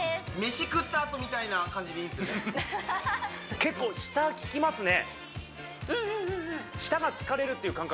飯食ったあとみたいな感じでいいんですよね？